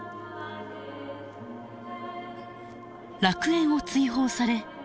楽園を追放され